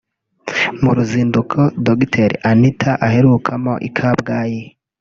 mu ruzinduko Dr Anita aherukamo i Kabgayi